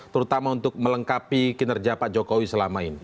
terutama untuk melengkapi kinerja pak jokowi selama ini